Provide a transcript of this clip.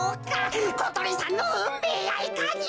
ことりさんのうんめいやいかに！？